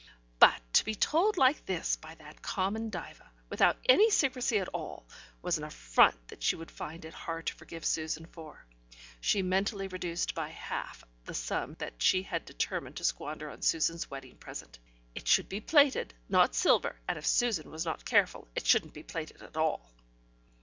But to be told like this by that common Diva, without any secrecy at all, was an affront that she would find it hard to forgive Susan for. She mentally reduced by a half the sum that she had determined to squander on Susan's wedding present. It should be plated, not silver, and if Susan was not careful, it shouldn't be plated at all.